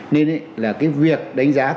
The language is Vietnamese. nên là cái việc đánh giá